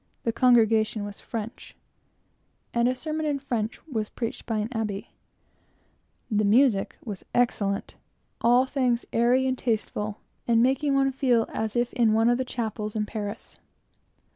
The congregation was French, and a sermon in French was preached by an Abbé; the music was excellent, all things airy and tasteful, and making one feel as if in one of the chapels in Paris.